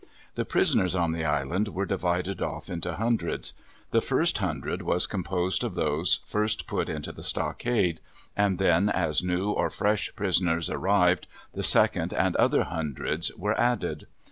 The prisoners on the Island were divided off into hundreds. The first hundred was composed of those first put into the stockade; and then, as new or fresh prisoners arrived the second and other hundreds were added.